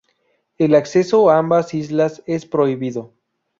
El acceso a ambas islas es prohibido.